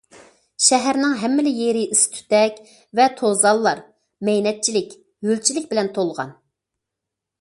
شەھەرنىڭ ھەممىلا يېرى ئىس- تۈتەك ۋە توزانلار، مەينەتچىلىك، ھۆلچىلىك بىلەن تولغان.